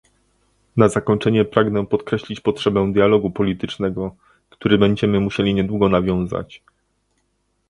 Na zakończenie pragnę podkreślić potrzebę dialogu politycznego, który będziemy musieli niedługo nawiązać